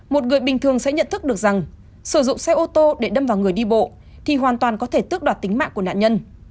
một người bình thường sẽ nhận thức được rằng sử dụng xe ô tô để đâm vào người đi bộ thì hoàn toàn có thể tước đoạt tính mạng của nạn nhân